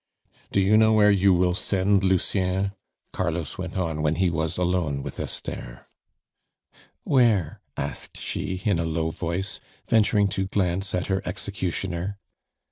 "Do you know where you will send Lucien?" Carlos went on when he was alone with Esther. "Where?" asked she in a low voice, venturing to glance at her executioner.